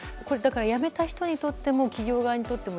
辞めた人にとっても企業側にとっても